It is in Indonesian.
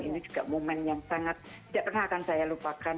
ini juga momen yang sangat tidak pernah akan saya lupakan